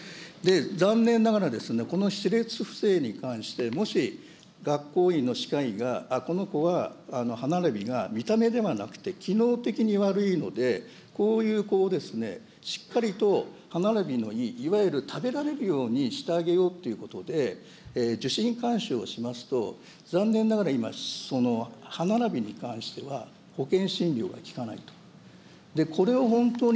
残念ながら、この歯列不整に関して、もし学校院の歯科医が、この子は歯並びが、見た目ではなくて、機能的に悪いので、こういう子をしっかりと歯並びのいい、いわゆる食べられるようにしてあげようってことで、受診慣習をしますと、残念ながら今、その歯並びに関しては、保険診療はきかないと。